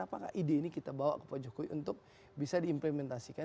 apakah ide ini kita bawa ke pak jokowi untuk bisa diimplementasikan